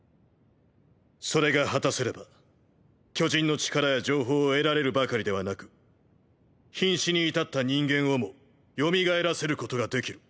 それが果たせれば巨人の力や情報を得られるばかりではなく瀕死に至った人間をも蘇らせることができる。